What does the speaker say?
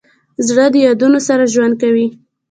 زړه د یادونو سره ژوند کوي.